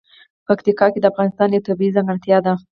پکتیکا د افغانستان یوه طبیعي ځانګړتیا ده.